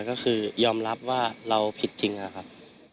ก็คือยอมรับว่าเราผิดจริงนะครับ